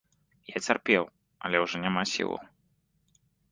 Я цярпеў, але ужо няма сілаў.